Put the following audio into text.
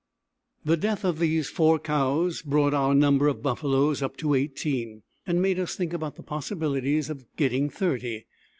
The death of these four cows brought our number of buffaloes up to eighteen, and made us think about the possibilities of getting thirty.